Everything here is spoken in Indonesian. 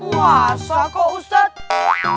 puasa kok ustadz